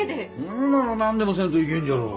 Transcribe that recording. ほんなら何でもせんといけんじゃろ。